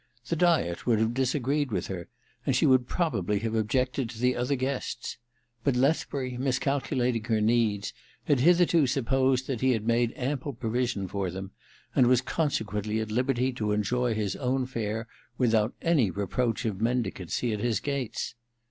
The diet would have disagreed with her, and she would probably have objected to the other guests. But Lethbury, miscalculating her needs, had hitherto supposed that he had made ample provision for them, and was consequently at liberty to enjoy his own fare without any re proach of mendicancy at his gates.